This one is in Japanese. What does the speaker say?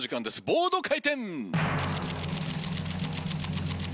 ボード回転！